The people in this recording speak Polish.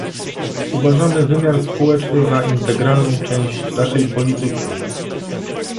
Uważamy wymiar społeczny za integralną część naszej polityki